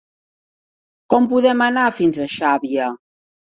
Com podem anar fins a Xàbia?